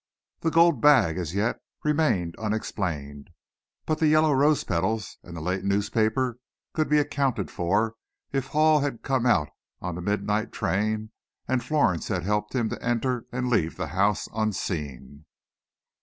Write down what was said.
The gold bag, as yet, remained unexplained, but the yellow rose petals and the late newspaper could be accounted for if Hall had come out on the midnight train, and Florence had helped him to enter and leave the house unseen.